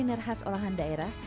dan juga menikmati kelas olahan daerah